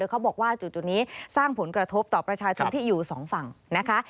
เขาบอกว่าจุดนี้สร้างผลกระทบต่อประชาชนที่อยู่สองฝั่งนะคะ